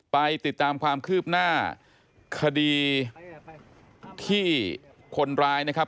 ไปติดตามความคืบหน้าคดีที่คนร้ายนะครับ